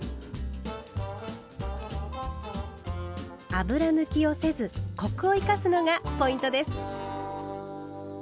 油抜きをせずコクを生かすのがポイントです。